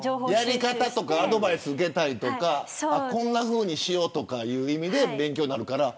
やり方のアドバイス受けたりとかこんなふうにしようという意味で勉強になるから。